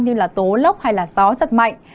như là tố lốc hay là gió rất mạnh